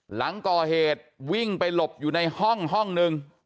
หลังก่อเหตุวิ่งไปหลบอยู่ในห้องห้องนึง